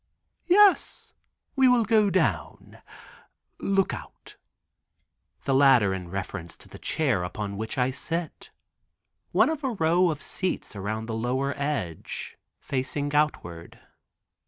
"Yes, we will go down, look out;" the latter in reference to the chair upon which I sit—one of a row of seats around the lower edge, facing outward.